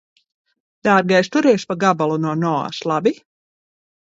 Dārgais, turies pa gabalu no Noas, labi?